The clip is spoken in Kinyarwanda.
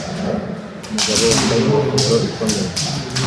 Umugabo wambaye ingofero ikomeye